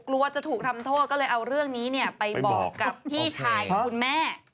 กลัวจะถูกทำโทษก็เลยเอาเรื่องนี้ไปบอกกับพี่ชายของคุณแม่